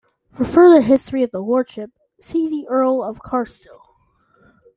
For further history of the lordship, see the Earl of Carlisle.